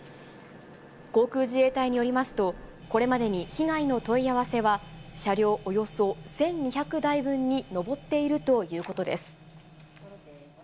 航空自衛隊によりますと、これまでに被害の問い合わせは、車両およそ１２００台分に上っているということです。